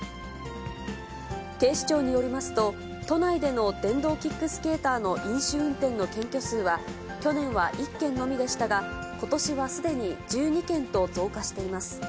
警視庁によりますと、都内での電動キックスケーターでの飲酒運転の検挙数は、去年は１件のみでしたが、ことしはすでに１２件と増加しています。